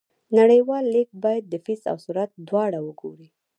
نړیوال لیږد باید د فیس او سرعت دواړه وګوري.